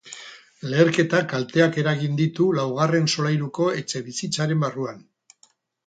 Leherketak kalteak eragin ditu laugarren solairuko etxebizitzaren barruan.